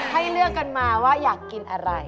ให้เลือกกันมาว่าอยากกินอะไร